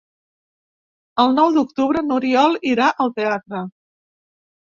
El nou d'octubre n'Oriol irà al teatre.